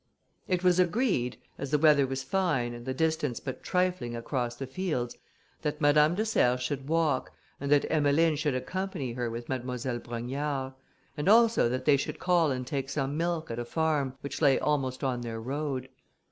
It was agreed, as the weather was fine, and the distance but trifling across the fields, that Madame de Serres should walk, and that Emmeline should accompany her with Mademoiselle Brogniard, and also that they should call and take some milk at a farm, which lay almost on their road.